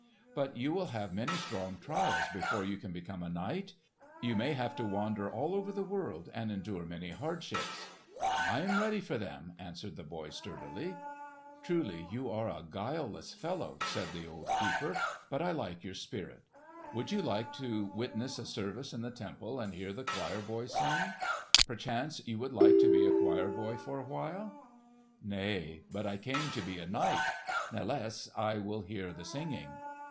"But you will have many strong trials before you can become a knight. You may have to wander all over the world and endure many hardships." "I am ready for them," answered the boy sturdily. "Truly you are a guileless fellow," said the old keeper; "but I like your spirit. Would you like to witness a service in the temple and hear the choir boys sing? Perchance you would like to be a choir boy for awhile?" "Nay, but I came to be a knight. Nathless I will hear the singing."